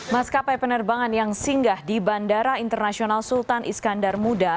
maskapai penerbangan yang singgah di bandara internasional sultan iskandar muda